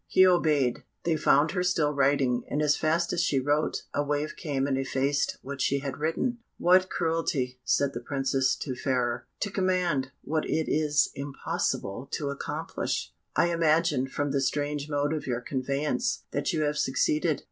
He obeyed. They found her still writing, and as fast as she wrote, a wave came and effaced what she had written. "What cruelty," said the Princess to Fairer, "to command what it is impossible to accomplish! I imagine, from the strange mode of your conveyance, that you have succeeded."